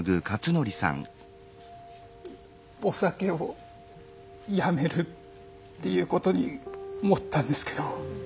お酒をやめるっていうことに思ったんですけど。